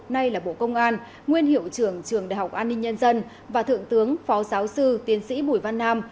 nay là bộ công an nguyên hiệu trưởng trường đại học an ninh nhân dân và thượng tướng phó giáo sư tiến sĩ bùi văn nam